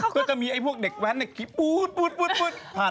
ก็จะมีพวกเด็กแว้นผู้ชน